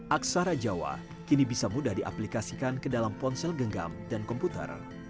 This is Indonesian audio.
aksara jawa kini bisa mudah diaplikasikan ke dalam ponsel genggam dan komputer